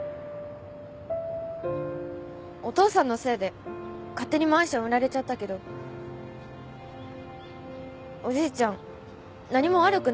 お父さんのせいで勝手にマンション売られちゃったけどおじいちゃん何も悪くないんですけど。